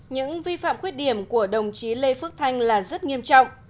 những vi phạm khuyết điểm của đồng chí lê phước thanh là rất nghiêm trọng